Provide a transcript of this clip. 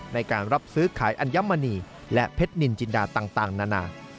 ในการรับซื้อขายอัญมณีและเพชรนินจินดาต่างนานา